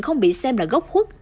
không bị xem là gốc khuất